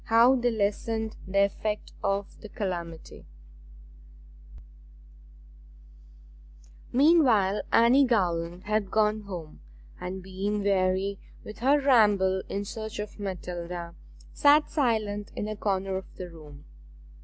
HOW THEY LESSENED THE EFFECT OF THE CALAMITY Meanwhile Anne Garland had gone home, and, being weary with her ramble in search of Matilda, sat silent in a corner of the room.